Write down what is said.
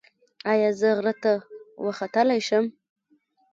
ایا زه غره ته وختلی شم؟